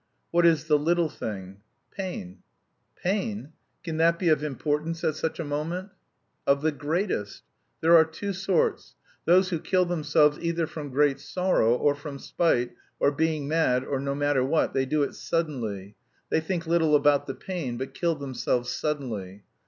"What is the little thing?" "Pain." "Pain? Can that be of importance at such a moment?" "Of the greatest. There are two sorts: those who kill themselves either from great sorrow or from spite, or being mad, or no matter what... they do it suddenly. They think little about the pain, but kill themselves suddenly.